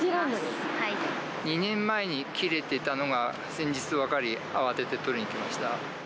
２年前に切れてたのが、先日分かり、慌てて取りに来ました。